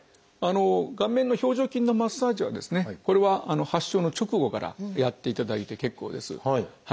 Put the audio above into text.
顔面の表情筋のマッサージはこれは発症の直後からやっていただいて結構です。